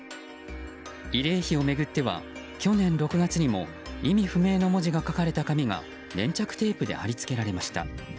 慰霊碑を巡っては去年６月にも意味不明の文字が書かれた紙が粘着テープで貼り付けられました。